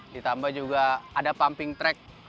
ditambah juga ada pumping track